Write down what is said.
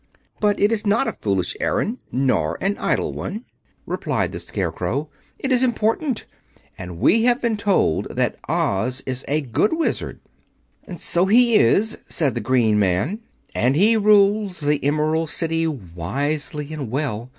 "But it is not a foolish errand, nor an idle one," replied the Scarecrow; "it is important. And we have been told that Oz is a good Wizard." "So he is," said the green man, "and he rules the Emerald City wisely and well.